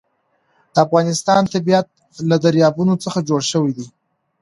د افغانستان طبیعت له دریابونه څخه جوړ شوی دی.